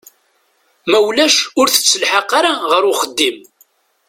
Ma ulac ur tettelḥaq ara ɣer uxeddim.